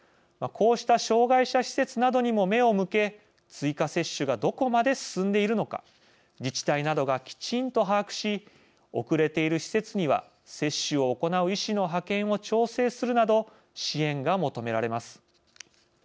こうした障害者施設などにも目を向け、追加接種がどこまで進んでいるのか自治体などがきちんと把握し遅れている施設には接種を行う医師の派遣を調整するなど支援が求められます。